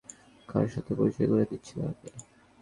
কার সাথে পরিচয় করিয়ে দিচ্ছেন আমাকে?